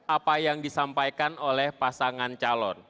apa yang disampaikan oleh pasangan calon